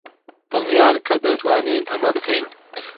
دڵنیان کە دەتوانین ئەمە بکەین؟